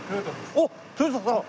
あっ豊田さん！